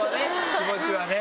気持ちはね。